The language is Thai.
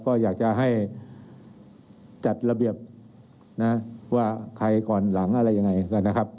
ก็อยากจะให้จัดระเบียบนะว่าใครก่อนหลังอะไรยังไงกันนะครับ